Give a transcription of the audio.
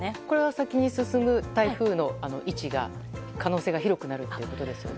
先に進む台風の位置の可能性が広くなるということですね。